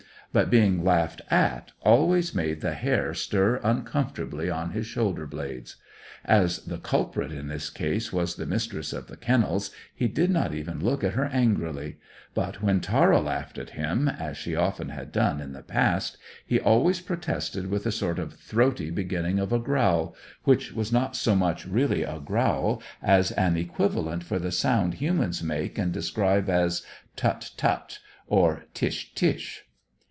But being laughed at always made the hair stir uncomfortably on his shoulder blades. As the culprit in this case was the Mistress of the Kennels, he did not even look at her angrily; but when Tara laughed at him, as she often had done in the past, he always protested with a sort of throaty beginning of a growl, which was not so much really a growl as an equivalent for the sound humans make and describe as "Tut, tut!" or "Tsh, tsh!"